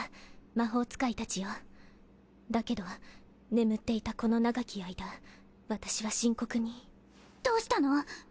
魔法使いたちよだけど眠っていたこの長き間私は深刻にどうしたの！？